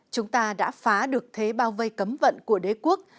chúng ta đã phá được thế bao vây cấm vận của đế quốc